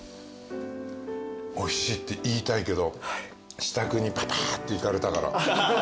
おいしいって言いたいけど支度にパパーッと行かれたから。